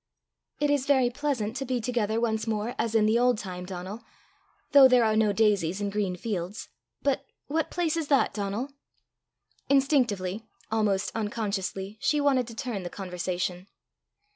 "It is very pleasant to be together once more as in the old time, Donal though there are no daisies and green fields. But what place is that, Donal?" Instinctively, almost unconsciously, she wanted to turn the conversation.